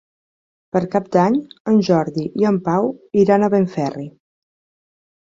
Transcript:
Per Cap d'Any en Jordi i en Pau iran a Benferri.